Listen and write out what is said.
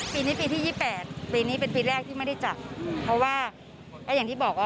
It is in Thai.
ปีนี้ปีที่๒๘ปีนี้เป็นปีแรกที่ไม่ได้จับเพราะว่าก็อย่างที่บอกว่า